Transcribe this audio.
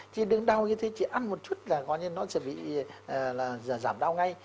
chỉ đứng đau như thế chỉ ăn một chút là gọi như nó sẽ giảm đau ngay